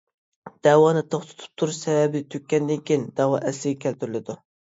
دەۋانى توختىتىپ تۇرۇش سەۋەبى تۈگىگەندىن كېيىن، دەۋا ئەسلىگە كەلتۈرۈلىدۇ.